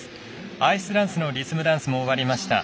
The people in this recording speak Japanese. アイスダンスのリズムダンスも終わりました。